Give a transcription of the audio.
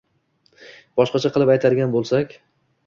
Boshqacha qilib aytadigan bo‘lsak, i